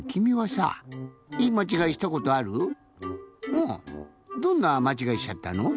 うんどんなまちがいしちゃったの？